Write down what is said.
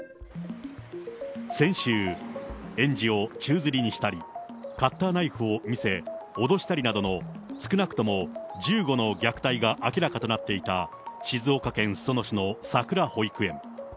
先週、園児を宙づりにしたり、カッターナイフを見せ、脅したりなどの少なくとも１５の虐待が明らかとなっていた静岡県裾野市のさくら保育園。